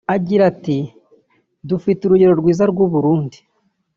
Agira ati “Dufite urugero rwiza rw’u Burundi